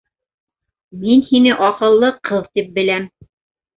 - Мин һине аҡыллы ҡыҙ тип беләм.